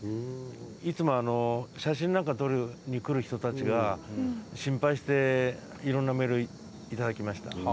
いつも写真なんか撮りに来る人たちが心配していろんなメール頂きました。